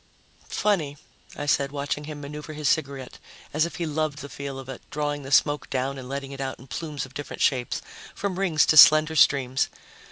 "Funny," I said, watching him maneuver his cigarette as if he loved the feel of it, drawing the smoke down and letting it out in plumes of different shapes, from rings to slender streams.